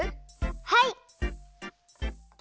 はい！